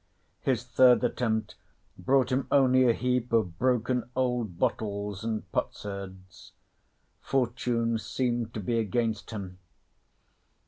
His third attempt brought him only a heap of broken old bottles and potsherds: fortune seemed to be against him.